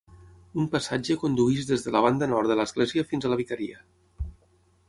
Un passatge condueix des de la banda nord de l'església fins a la vicaria.